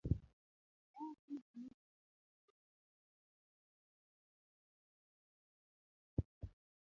Nowachnigi ni tich manitie mar ng'amolony e Kiswahili en bedo japuonj Kiswahili.